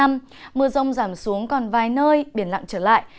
mưa rông giảm xuống còn vài nơi biển lặng trở lại